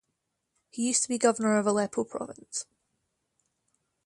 He used to be governor of Aleppo province.